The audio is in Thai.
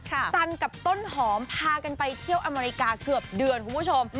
สันกับต้นหอมพากันไปเที่ยวอเมริกาเกือบเดือนคุณผู้ชม